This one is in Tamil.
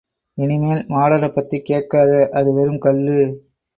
இனிமேல் மாடனப் பத்திக் கேட்காத... அது வெறும் கல்லு...!